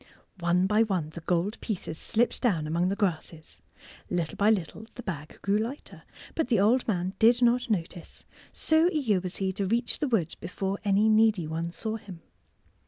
One by one the gold pieces slipped down among the grasses. Little by little the bag grew lighter, but the old man did not notice, so eager was he to reach the wood before any needy one saw him.